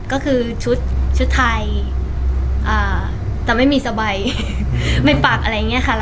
ก็คือชุดไทยจะไม่มีสบายไม่ปักอะไรอย่างนี้ค่ะ